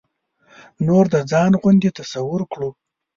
نور د ځان غوندې تصور کړو.